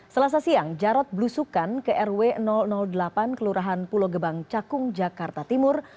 selasa siang jarod blusukan ke rw delapan kelurahan pulau gebang cakung jakarta timur